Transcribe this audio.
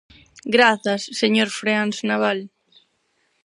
Grazas, señor Freáns Nabal.